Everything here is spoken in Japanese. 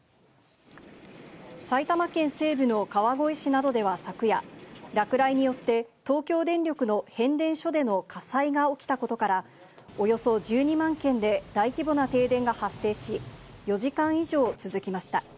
埼玉県西部の川越市などでは昨夜、落雷によって東京電力の変電所での火災が起きたことから、およそ１２万軒で大規模な停電が発生し、４時間以上続きました。